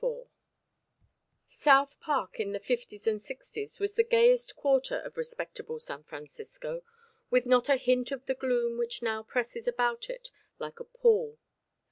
IV South Park in the Fifties and Sixties was the gayest quarter of respectable San Francisco, with not a hint of the gloom which now presses about it like a pall.